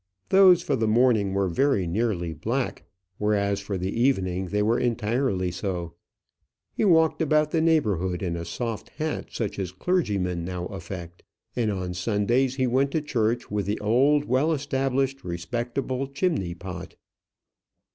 Those for the morning were very nearly black, whereas for the evening they were entirely so. He walked about the neighbourhood in a soft hat such as clergymen now affect, and on Sundays he went to church with the old well established respectable chimney pot.